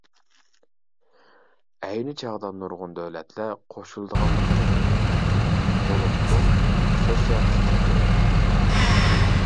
ئەينى چاغدا نۇرغۇن دۆلەتلەر قوشۇلىدىغانلىقىنى بىلدۈردى، بولۇپمۇ سوتسىيالىستىك دۆلەت.